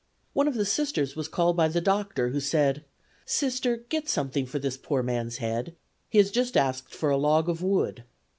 One of the Sisters was called by the doctor, who said: "Sister, get something for this poor man's head; he has just asked for a log of wood."